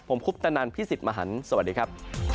ผมคุปตะนันพี่สิทธิ์มหันฯสวัสดีครับ